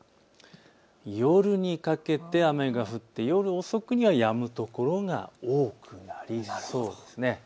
夜にかけて雨が降って夜遅くにはやむ所が多くなりそうです。